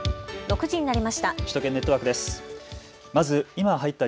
６時になりました。